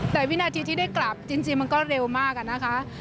แต่วินาทีที่ได้กลับจริงมันก็เร็วมากอะนะคะ